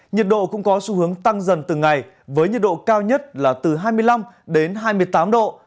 nhiệt độ cũng có xu hướng tăng dần từng ngày với nhiệt độ cao nhất là từ hai mươi năm đến hai mươi tám độ